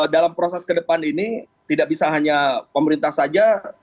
dalam proses ke depan ini tidak bisa hanya pemerintah saja